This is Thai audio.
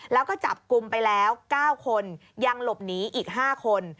แล้วก็จับกลุ่มไปแล้ว๙คนยังหลบหนีอีก๕คน